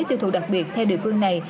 tiêu thụ đặc biệt theo địa phương này